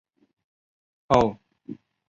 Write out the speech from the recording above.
后北条氏家臣。